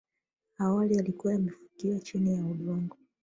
awali yalikuwa yamefukiwa chini na udongo